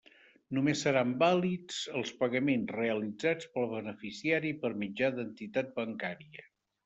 Només seran vàlids els pagaments realitzats pel beneficiari per mitjà d'entitat bancària.